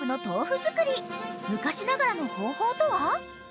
［昔ながらの方法とは？］